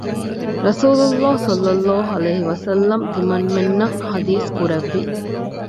ރަސޫލު ﷲ ﷺ ތިމަންމެންނަށް ޙަދީޘް ކުރެއްވި